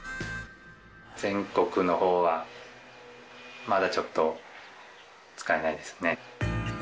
全国のほうは、まだちょっと使えないですね。